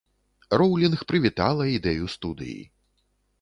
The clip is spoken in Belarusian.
Роўлінг прывітала ідэю студыі.